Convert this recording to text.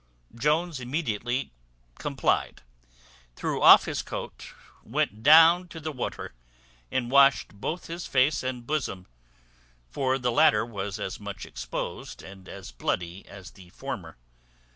Jones immediately complied, threw off his coat, went down to the water, and washed both his face and bosom; for the latter was as much exposed and as bloody as the former.